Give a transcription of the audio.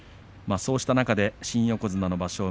そうした中で新横綱の場所